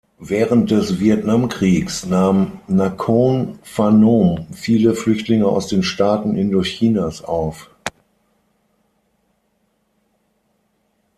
Während des Vietnamkriegs nahm Nakhon Phanom viele Flüchtlinge aus den Staaten Indochinas auf.